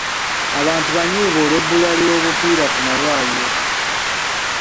Abantu banyiivu olw'ebbula ly'obupiira ku malwaliro.